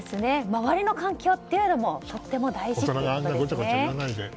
周りの環境というのもとっても大事ってことですね。